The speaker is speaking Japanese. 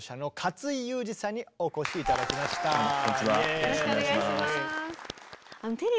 よろしくお願いします。